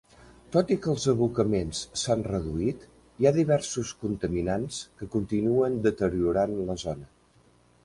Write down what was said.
Tot i que els abocaments s'han reduït, hi ha diversos contaminants que continuen deteriorant la zona.